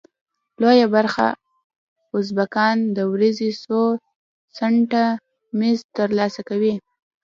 لویه برخه ازبکان د ورځې څو سنټه مزد تر لاسه کوي.